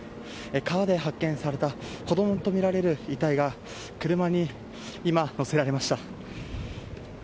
川で発見された子供とみられる遺体が車に今、乗せられました。